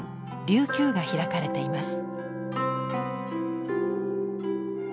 琉球が開かれています。